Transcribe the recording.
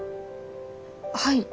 はい。